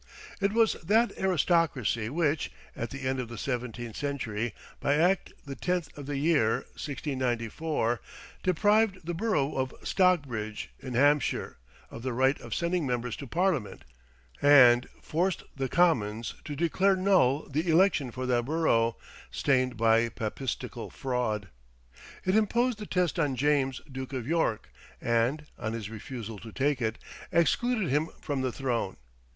It was that aristocracy which, at the end of the seventeenth century, by act the tenth of the year 1694, deprived the borough of Stockbridge, in Hampshire, of the right of sending members to Parliament, and forced the Commons to declare null the election for that borough, stained by papistical fraud. It imposed the test on James, Duke of York, and, on his refusal to take it, excluded him from the throne.